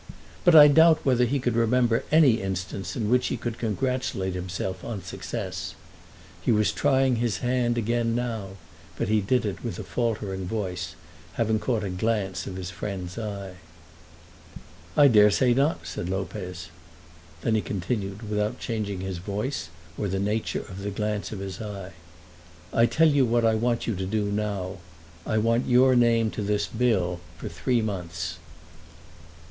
But I doubt whether he could remember any instance in which he could congratulate himself on success. He was trying his hand again now, but did it with a faltering voice, having caught a glance of his friend's eye. "I dare say not," said Lopez. Then he continued without changing his voice or the nature of the glance of his eye, "I'll tell you what I want you to do now. I want your name to this bill for three months."